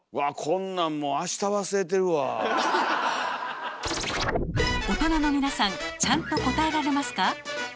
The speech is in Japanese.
こんなんもう大人の皆さんちゃんと答えられますか？